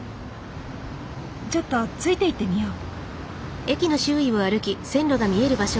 ちょっとついて行ってみよう。